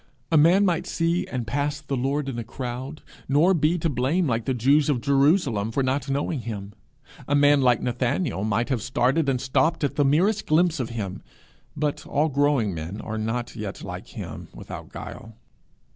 A man might see and pass the Lord in a crowd, nor be to blame like the Jews of Jerusalem for not knowing him. A man like Nathanael might have started and stopped at the merest glimpse of him, but all growing men are not yet like him without guile.